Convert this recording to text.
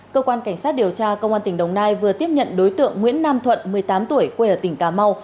cơ quan cảnh sát điều tra công an tỉnh đồng nai vừa tiếp nhận đối tượng nguyễn nam thuận một mươi tám tuổi quê ở tỉnh cà mau